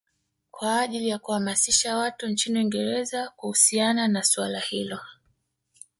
Kwa ajili ya kuhamasisha watu nchini Uingereza kuhusiana na suala hilo